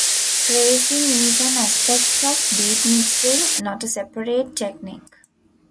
Phrasing is an aspect of beatmixing, not a separate technique.